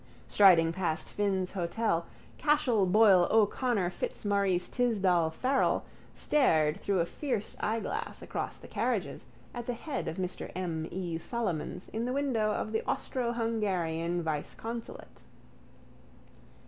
Striding past Finn's hotel Cashel Boyle O'Connor Fitzmaurice Tisdall Farrell stared through a fierce eyeglass across the carriages at the head of Mr M. E. Solomons in the window of the Austro Hungarian viceconsulate.